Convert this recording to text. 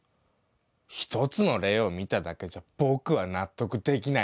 一つの例を見ただけじゃぼくは納得できないね。